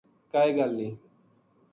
کائے گل نیہہ‘‘